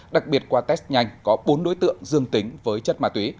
đặc biệt qua test nhanh có bốn đối tượng dương tính với chất ma túy